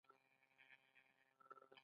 لاس راکه جانانه.